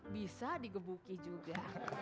bisa digebuki juga